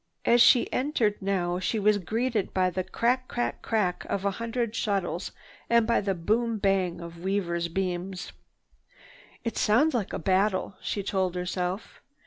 As she entered now she was greeted by the crack crack crack of a hundred shuttles and by the boom bang of weavers' beams. "It sounds like a battle," she told herself.